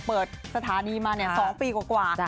เปิดสถานีมาเนี่ย๒ปีกว่า